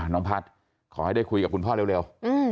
น้องพัฒน์ขอให้ได้คุยกับคุณพ่อเร็ว